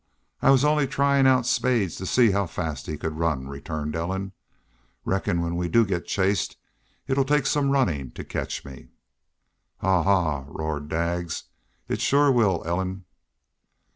I was only trying out Spades to see how fast he could run," returned Ellen. "Reckon when we do get chased it'll take some running to catch me." "Haw! Haw!" roared Daggs. "It shore will, Ellen."